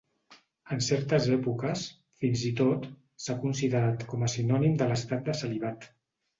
En certes èpoques, fins i tot, s'ha considerat com a sinònim de l'estat de celibat.